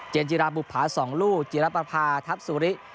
เจนจิราบุภาสองลูกจิรับปราภาทัพสุริ